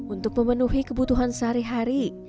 untuk memenuhi kebutuhan sehari hari